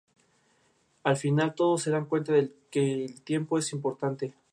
Frente a la fachada se abre un espacio libre arbolado.